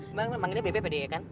emang namanya bebek ya kan